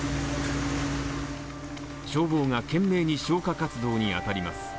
消防が懸命に消火活動に当たります。